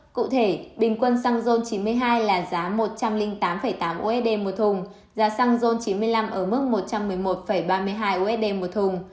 cụ thể bình quân xăng chín mươi hai là giá một trăm linh tám tám usd một thùng giá xăng ron chín mươi năm ở mức một trăm một mươi một ba mươi hai usd một thùng